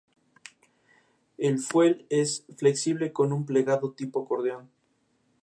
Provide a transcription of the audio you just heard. El emblema y los hábitos son obra del diseñador avilesino Castor González.